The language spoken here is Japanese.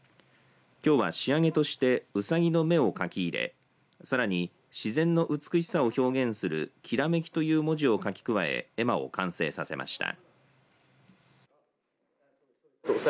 きょうは仕上げとしてうさぎの目を書き入れさらに自然の美しさを表現するきらめきという文字も書き加え絵馬を完成させました。